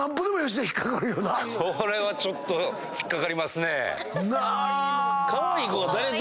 これはちょっと引っ掛かりますね。